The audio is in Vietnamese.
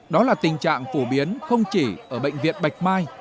đó là tình trạng phổ biến không chỉ ở bệnh viện bạch mai